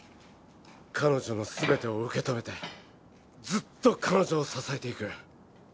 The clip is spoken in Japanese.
彼女のすべてを受け止めてずっと彼女を支えていく！